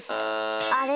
あれ？